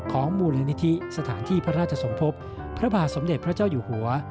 ของมูลนิธิสถานที่พระราชสมภพพระบาทสมเด็จพระเจ้าอยู่หัว